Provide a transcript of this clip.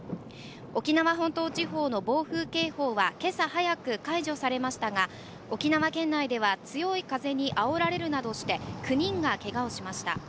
沖縄本島地方の暴風警報は今朝早く解除されましたが沖縄県内では強い風にあおられるなどして、９人がけがしました。